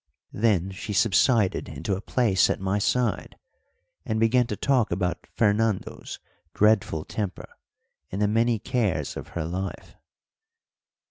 Then she subsided into a place at my side, and began to talk about Fernando's dreadful temper and the many cares of her life.